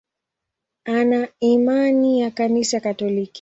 Ana imani ya Kanisa Katoliki.